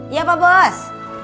iya pak bos